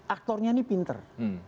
aktornya ini pinter